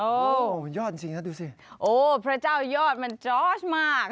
โอ้มันยอดจริงจังดูสิโอ้พระเจ้ายอดมันมาก